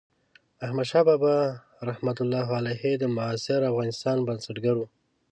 احمدشاه بابا رحمة الله علیه د معاصر افغانستان بنسټګر و.